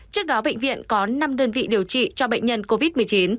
trước đó bệnh viện có năm đơn vị điều trị cho bệnh nhân covid một mươi chín